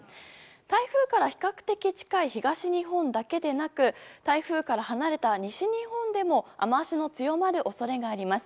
台風から比較的近い東日本だけでなく台風から離れた西日本でも雨脚の強まる恐れがあります。